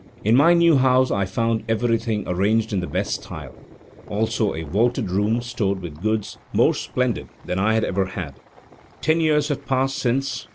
In my new house I found everything arranged in the best style, also a vaulted room stored with goods, more splendid than I had ever had. Ten years have passed since.